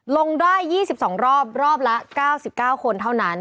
ลงได้๒๒รอบรอบละ๙๙คนเท่านั้น